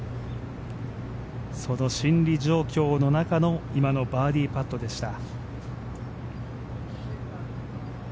その心理状況の中の今のバーディーパットでした。